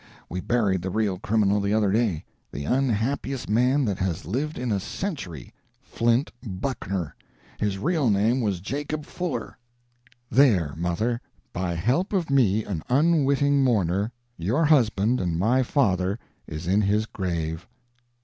We buried the real criminal the other day the unhappiest man that has lived in a century Flint Buckner. His real name was Jacob Fuller!" There, mother, by help of me, an unwitting mourner, your husband and my father is in his grave.